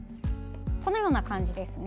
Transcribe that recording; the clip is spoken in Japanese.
このような感じですね。